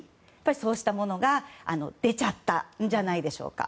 そうしたものが出ちゃったんじゃないでしょうか。